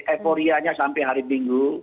eforianya sampai hari minggu